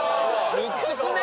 ルックスね！